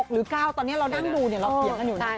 ๗๖๖หรือ๙ตอนนี้เราด้านดูเนี่ยเราเปลี่ยนกันอยู่นะ